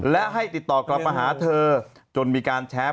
แล้วให้ติดต่อกลับมาเธอ